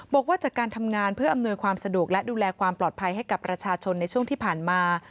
บอกว่าจากการทำงานเพื่ออำนวยความสะดวกและดูแลความปลอดภัยให้กับประชาชนในช่วงที่ผ่านมา